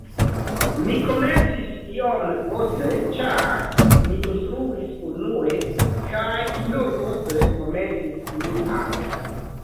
Mi komencis iom poste ĉar mi instruis unue kaj nur poste komencis mian